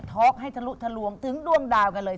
อกให้ทะลุทะลวงถึงดวงดาวกันเลย